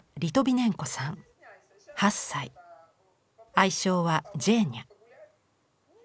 愛称はジェーニャ。